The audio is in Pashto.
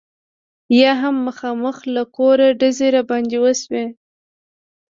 یا هم مخامخ له کوره ډزې را باندې وشي.